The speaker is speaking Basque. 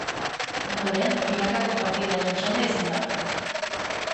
Ondoren, binakako partidaren txanda izan da.